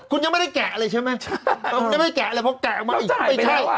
คุณยังไม่ได้แกะอะไรใช่ไหมคุณยังไม่ได้แกะอะไรเพราะแกะออกมาอีก